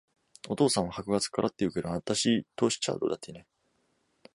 お父さんは箔が付くからって言うけど、あたしとしちゃどうだっていいね。